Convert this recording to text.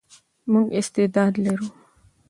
موږ استعداد لرو.